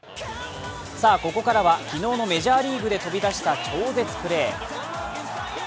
ここからは昨日のメジャーリーグで飛び出した超絶プレー。